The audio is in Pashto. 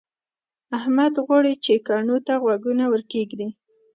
احمد غواړي چې کڼو ته غوږونه ورکېږدي.